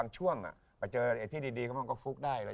เจอที่ได้ก็บอกก็ทุกวันนี้